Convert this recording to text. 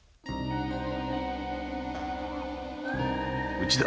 内田！